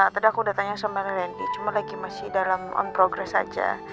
tadi aku udah tanya sama randy cuma lagi masih dalam on progress aja